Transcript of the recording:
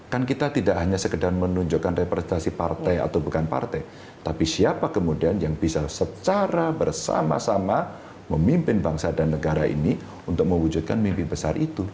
kan kita tidak hanya sekedar menunjukkan representasi partai atau bukan partai tapi siapa kemudian yang bisa secara bersama sama memimpin bangsa dan negara ini untuk mewujudkan mimpi besar itu